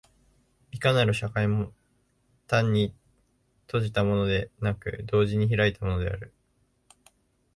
いかなる社会も単に閉じたものでなく、同時に開いたものである。